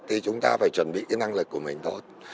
thì chúng ta phải chuẩn bị cái năng lực của mình tốt